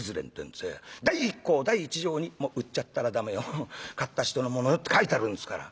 第１項第１条にもう売っちゃったら駄目よ買った人のものよって書いてあるんですから。